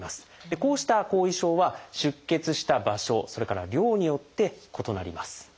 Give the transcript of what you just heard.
こうした後遺症は出血した場所それから量によって異なります。